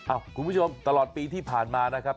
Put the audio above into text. คุณผู้ชมตลอดปีที่ผ่านมานะครับ